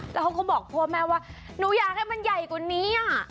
แล้วเขาก็บอกพ่อแม่ว่าหนูอยากให้มันใหญ่กว่านี้